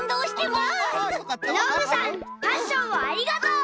パッションをありがとう！